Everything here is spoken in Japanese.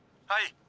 はい。